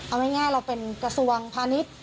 เอาง่ายเราเป็นกระทรวงพาณิชย์